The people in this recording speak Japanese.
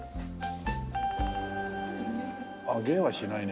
あっ芸はしないね。